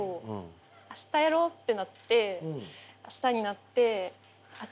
明日やろうってなって明日になってあっ